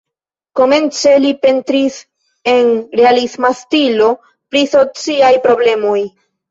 Komence li pentris en realisma stilo pri sociaj problemoj.